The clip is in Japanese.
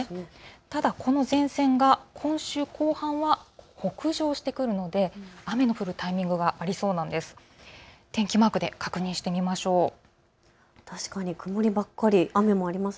ただこの前線が今週後半は北上してくるので雨の降るタイミングがありそうなんです。